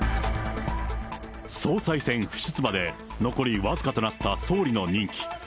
総裁選不出馬で残り僅かとなった総理の任期。